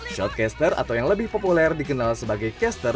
shortcaster atau yang lebih populer dikenal sebagai caster